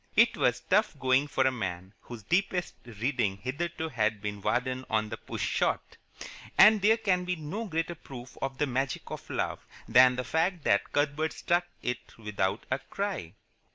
It was tough going for a man whose deepest reading hitherto had been Vardon on the Push Shot, and there can be no greater proof of the magic of love than the fact that Cuthbert stuck it without a cry.